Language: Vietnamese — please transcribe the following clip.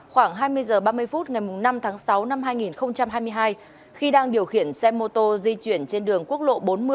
khoảng hai mươi h ba mươi phút ngày năm tháng sáu năm hai nghìn hai mươi hai khi đang điều khiển xe mô tô di chuyển trên đường quốc lộ bốn mươi